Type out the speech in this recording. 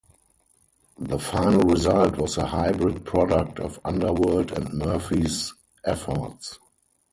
The final result was a hybrid product of Underworld and Murphy's efforts.